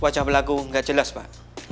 wajah lagu gak jelas pak